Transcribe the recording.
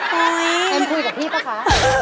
เต็มคุยกับพี่ป่ะคะ